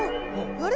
あれ？